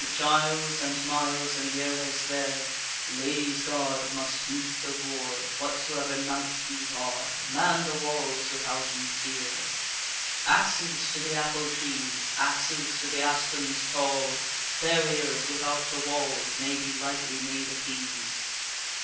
Giles and Miles and Gervaise there, Ladies' Gard must meet the war; Whatsoever knights these are, Man the walls withouten fear! Axes to the apple trees, Axes to the aspens tall! Barriers without the wall May be lightly made of these.